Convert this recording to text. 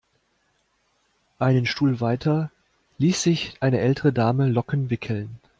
Einen Stuhl weiter ließ sich eine ältere Dame Locken wickeln.